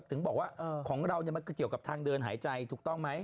ถึงบอกว่าของเรามันเกี่ยวกับทางเดินหายใจถูกต้องไหม